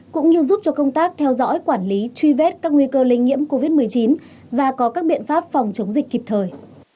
cũng như giúp cho công tác theo dõi quản lý truy vết các nguy cơ lây nhiễm covid một mươi chín và có các biện pháp phòng chống dịch kịp thời